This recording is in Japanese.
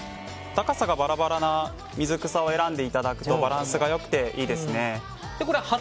高さがバラバラな水草を選んでいただくとバランスが良くていいですね。